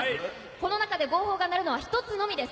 この中で号砲が鳴るのは１つのみです。